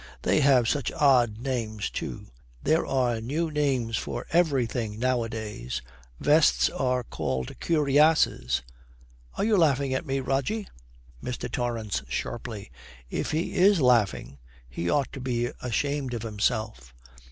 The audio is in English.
They have such odd names, too. There are new names for everything nowadays. Vests are called cuirasses. Are you laughing at me, Rogie?' MR. TORRANCE, sharply, 'If he is laughing, he ought to be ashamed of himself.'